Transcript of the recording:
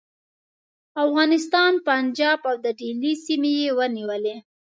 افغانستان، پنجاب او د دهلي سیمې یې ونیولې.